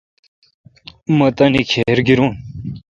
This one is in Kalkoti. مہتانی کھِر گیرون۔